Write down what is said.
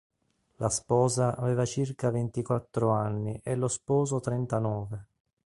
La sposa aveva circa ventiquattro anni e lo sposo trentanove.